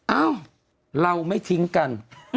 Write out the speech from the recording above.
เอ้าเราไม่ทิ้งกัน